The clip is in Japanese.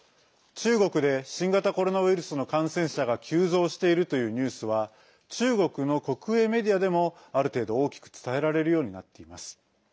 中国で新型コロナウイルスの感染者が急増しているというニュースは中国の国営メディアでもある程度、大きく伝えられるようになっています。